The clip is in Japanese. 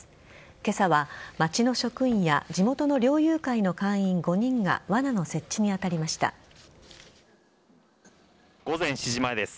今朝は町の職員や地元の猟友会の会員午前７時前です。